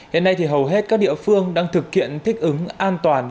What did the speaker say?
hiện nay thì hầu hết các địa phương đang thực hiện thích ứng an toàn